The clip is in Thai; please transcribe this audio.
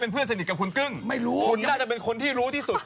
เพื่อนสนิทกับคุณกึ้งไม่รู้คุณน่าจะเป็นคนที่รู้ที่สุด